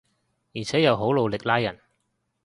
而且又好努力拉人